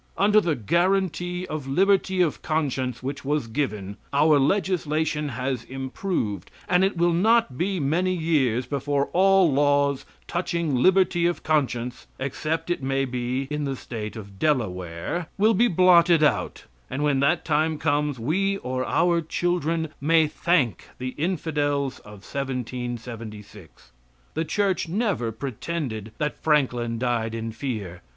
Under the guaranty of liberty of conscience which was given, our legislation has improved, and it will not be many years before all laws touching liberty of conscience, excepting it may be in the State of Delaware, will be blotted out, and when that time comes we or our children may thank the infidels of 1776. The church never pretended that Franklin died in fear.